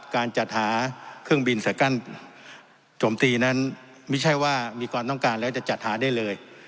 การจัดหาเครื่องบินใส่กั้นจมตีนั้นไม่ใช่ว่ามีความต้องการแล้วจะจัดหาได้เลย